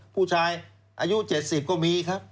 ผู้ชายอายุ๗๐ก็มีครับ